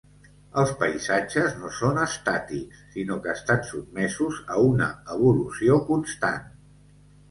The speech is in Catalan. Els paisatges no són estàtics, sinó que estan sotmesos a una evolució constant.